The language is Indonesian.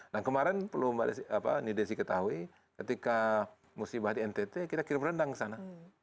nah kemarin perlu mbak nidesi ketahui ketika musibah di ntt kita kirim rendang ke sana